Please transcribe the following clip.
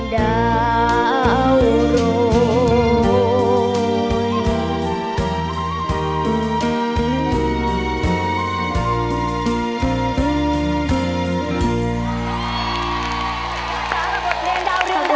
ดาวเรือง